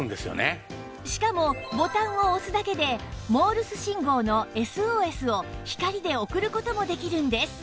しかもボタンを押すだけでモールス信号の ＳＯＳ を光で送る事もできるんです